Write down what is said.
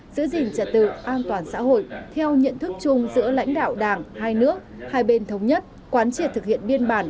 giữ gìn trật tự an toàn xã hội theo nhận thức chung giữa lãnh đạo đảng hai nước hai bên thống nhất quán triệt thực hiện biên bản